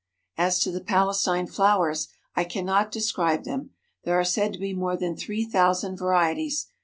As to the Palestine flowers, I cannot describe them. There are said to be more than three thousand varieties.